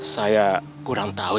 saya kurang tahu